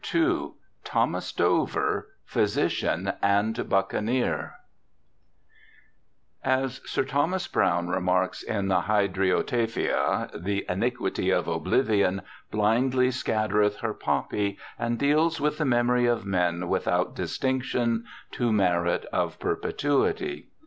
19 THOMAS DOVER PHYSICIAN AND BUCCANEERS As Sir Thomas Browne remarks in the Hydriotaphia :* The iniquity of oblivion blindly scattereth her poppy, and deals with the memory of men without distinction to merit of perpetuity.'